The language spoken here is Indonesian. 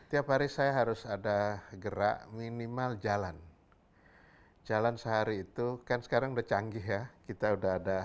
tiap hari saya harus ada gerak minimal jalan jalan sehari itu kan sekarang udah canggih ya kita udah ada